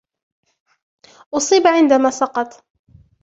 أُصيب عندما سقط.